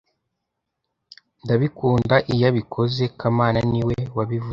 Ndabikunda iyo abikoze kamana niwe wabivuze